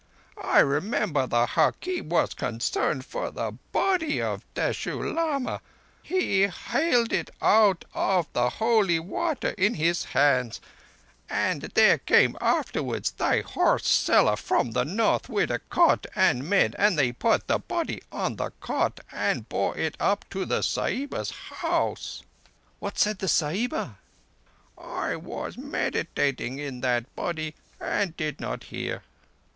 I remember the hakim was concerned for the body of Teshoo Lama. He haled it out of the holy water in his hands, and there came afterwards thy horse seller from the North with a cot and men, and they put the body on the cot and bore it up to the Sahiba's house." "What said the Sahiba?" "I was meditating in that body, and did not hear.